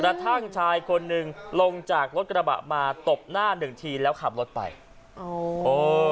กระทั่งชายคนหนึ่งลงจากรถกระบะมาตบหน้าหนึ่งทีแล้วขับรถไปโอ้เออ